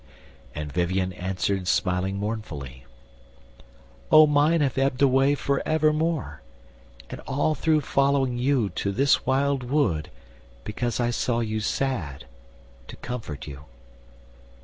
And Vivien answered smiling mournfully: "O mine have ebbed away for evermore, And all through following you to this wild wood, Because I saw you sad, to comfort you.